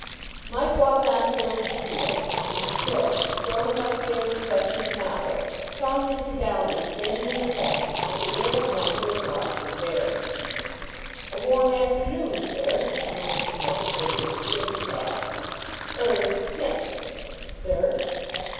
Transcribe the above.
Mike walked on towards the field, and Psmith, strolling upstairs to fetch his novel, found Mr. Downing standing in the passage with the air of one who has lost his bearings. "A warm afternoon, sir," murmured Psmith courteously, as he passed. "Er Smith!" "Sir?"